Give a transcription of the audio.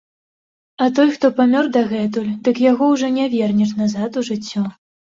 А той, хто памёр дагэтуль, дык яго ўжо не вернеш назад у жыццё.